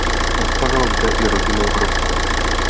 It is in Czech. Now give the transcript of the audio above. Postavil zde i rodinnou hrobku.